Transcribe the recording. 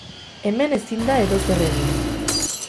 Hemen ezin da edozer egin.